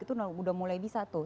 itu udah mulai bisa tuh